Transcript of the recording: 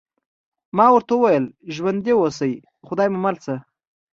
ما ورته وویل: ژوندي اوسئ، خدای مو مل شه.